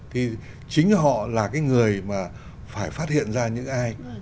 thì chính họ là cái người mà phải phát hiện ra những ai